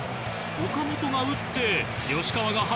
岡本が打って吉川が走る。